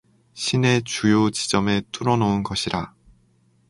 시내 주요 지점에 뚫어 놓은 것이라